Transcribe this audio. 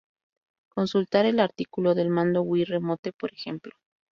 Consultar el artículo del mando Wii Remote por ejemplo.